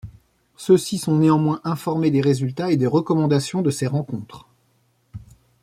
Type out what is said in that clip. Ceux-ci sont néanmoins informés des résultats et des recommandations de ces rencontres.